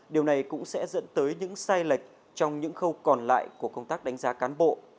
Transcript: điều này cũng sẽ dẫn tới những sai lệch trong những khâu còn lại của công tác đánh giá cán bộ